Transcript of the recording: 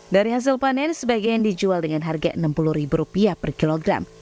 dari hasil panen sebagian dijual dengan harga rp enam puluh per kilogram